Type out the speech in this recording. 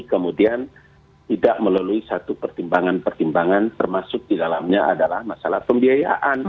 kemudian tidak melalui satu pertimbangan pertimbangan termasuk di dalamnya adalah masalah pembiayaan